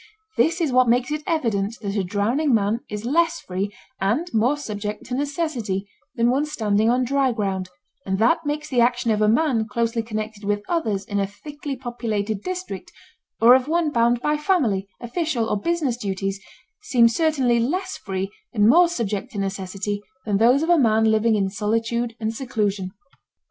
This is what makes it evident that a drowning man is less free and more subject to necessity than one standing on dry ground, and that makes the actions of a man closely connected with others in a thickly populated district, or of one bound by family, official, or business duties, seem certainly less free and more subject to necessity than those of a man living in solitude and seclusion.